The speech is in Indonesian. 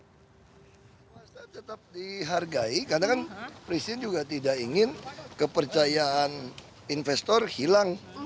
swasta tetap dihargai karena kan presiden juga tidak ingin kepercayaan investor hilang